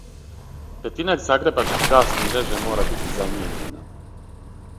Петина загребачке гасне мреже мора бити замијењена.